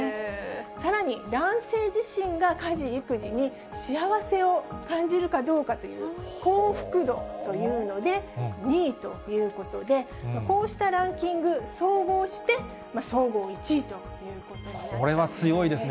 さらに男性自身が家事・育児に幸せを感じるかどうかという幸福度というので２位ということで、こうしたランキング、総合して総合１位ということになったんですね。